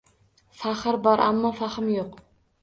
Faxr bor ammo fahm yo‘q